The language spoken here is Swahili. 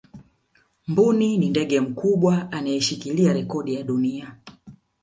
mbuni ni ndege mkubwa anayeshikilia rekodi ya dunia